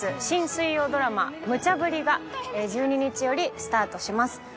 新水曜ドラマ『ムチャブリ！』が１２日よりスタートします。